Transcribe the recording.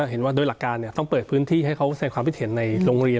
เห็นว่าโดยหลักการต้องเปิดพื้นที่ให้เขาแสดงความคิดเห็นในโรงเรียน